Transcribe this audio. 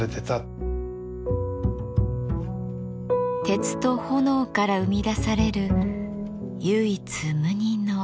鉄と炎から生み出される唯一無二の芸術です。